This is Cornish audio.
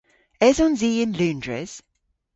Esons i yn Loundres?